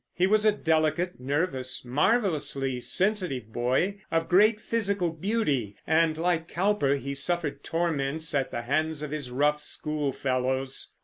He was a delicate, nervous, marvelously sensitive boy, of great physical beauty; and, like Cowper, he suffered torments at the hands of his rough schoolfellows.